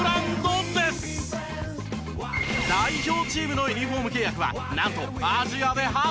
代表チームのユニフォーム契約はなんとアジアで初！